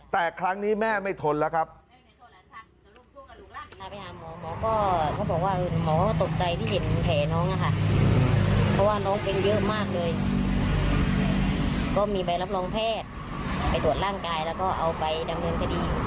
แต่ครั้งนี้แม่ไม่ทนแล้วครับ